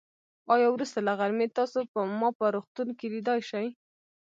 آيا وروسته له غرمې تاسو ما په روغتون کې ليدای شئ.